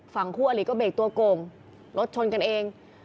ฝั่งคู่อลิก็เบรกตัวโก่งรถชนกันเอง